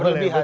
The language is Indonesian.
gak boleh pak